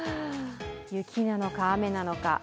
雪なのか雨なのか。